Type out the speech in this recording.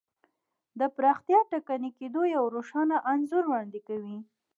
د پراختیا ټکني کېدو یو روښانه انځور وړاندې کوي.